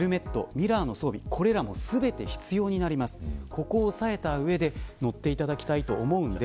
ここを押さえた上で乗っていただきたいです。